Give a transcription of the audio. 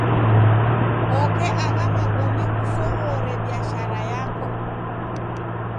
Oke agha magome kusoghore biashara yako.